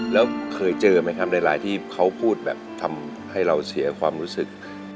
แล้วเคยเจอไหมครับหลายที่เขาพูดแบบทำให้เราเสียความรู้สึก